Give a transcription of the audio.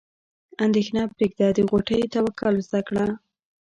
اندیښنه پرېږده د غوټۍ توکل زده کړه.